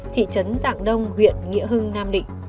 thị trấn giảng đông huyện nghĩa hưng nam định